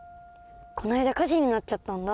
この間火事になっちゃったんだ。